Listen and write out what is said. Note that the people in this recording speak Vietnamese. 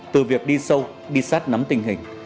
từ việc đi sâu đi sát nắm tình hình